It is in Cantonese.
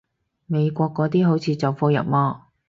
美國嗰啲好似走火入魔